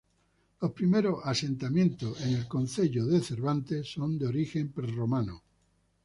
Los primeros asentamientos en el concello de Cervantes son de origen prerromano.